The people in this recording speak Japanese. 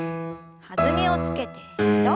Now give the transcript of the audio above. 弾みをつけて２度。